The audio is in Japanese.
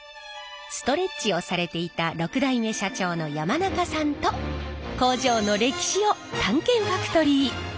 ストレッチをされていた６代目社長の山中さんと工場の歴史を探検ファクトリー！